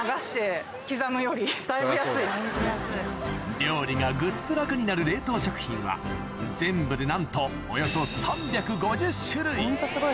料理がぐっと楽になる冷凍食品は全部でなんとホントすごい種類。